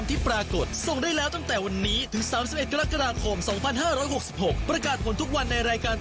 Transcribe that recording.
กติกานุ่นล้านและมอเตอร์ไซต์๑๐๐คัน